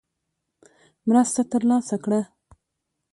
مرسته ترلاسه کړه.